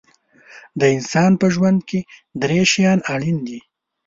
د انسان په ژوند کې درې شیان اړین دي.